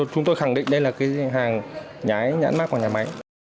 chúng tôi khẳng định đây là hàng nhãn mắc của nhà máy